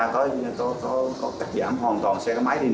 cho dù chúng ta có tạp giảm